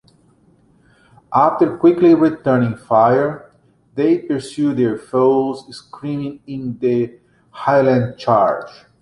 After quickly returning fire, they pursued their foes, screaming in the "Highland charge".